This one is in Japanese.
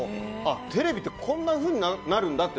テレビってこんなふうになるんだって。